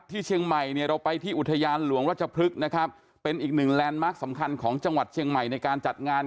เชียงใหม่เนี่ยเราไปที่อุทยานหลวงรัชพฤกษ์นะครับเป็นอีกหนึ่งแลนด์มาร์คสำคัญของจังหวัดเชียงใหม่ในการจัดงาน